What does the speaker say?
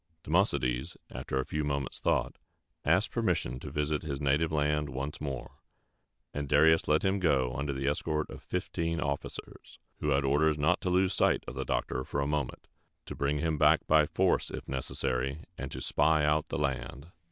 Democedes, after a few moments' thought, asked permission to visit his native land once more; and Darius let him go under the escort of fifteen officers, who had orders not to lose sight of the doctor for a moment, to bring him back by force if necessary, and to spy out the land.